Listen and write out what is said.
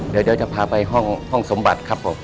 เดี๋ยวจะพาไปห้องสมบัติครับผม